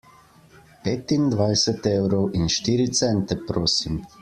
Petindvajset evrov in štiri cente prosim.